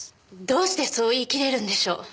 どうしてそう言い切れるんでしょう？